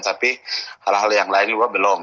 tapi hal hal yang lain juga belum